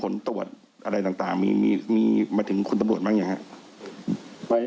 ผลตรวจอะไรต่างมีมาถึงคุณตำรวจบ้างยังครับ